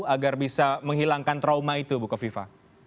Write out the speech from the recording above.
agar bisa menghilangkan trauma itu buka viva